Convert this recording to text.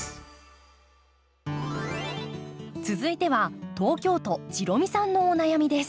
続いては東京都じろみさんのお悩みです。